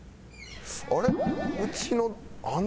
「あれ？